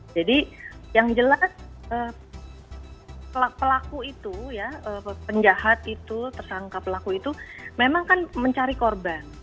jadi yang jelas pelaku itu penjahat itu tersangka pelaku itu memang kan mencari korban